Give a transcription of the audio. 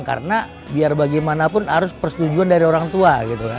karena biar bagaimanapun harus persetujuan dari orang tua